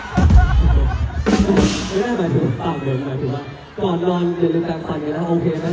ไม่ได้หมายถึงตามหมายถึงว่าก่อนนอนอย่าลืมแปลงฟันกันแล้วโอเคไหม